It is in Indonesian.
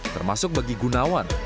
termasuk bagi gunawan